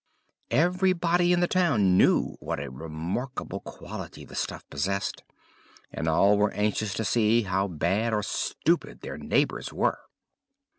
Everybody in the town knew what a remarkable quality the stuff possessed, and all were anxious to see how bad or stupid their neighbours were.